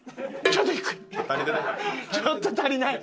ちょっと足りない。